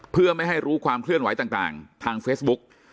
เพื่อไม่ให้รู้ความเคลื่อนไหวต่างทางเฟซบุ๊ก